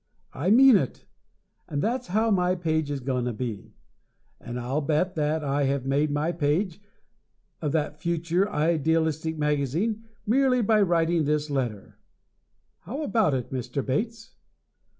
I mean it! And that's how my page is gonna be, and I'll bet that I have made my page of that future idealistic magazine, merely by writing this letter! How about it, Mr. Bates?